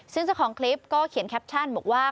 ซึ่งเจ้าของคลิปก็เขียนแคปชั่นบอกว่า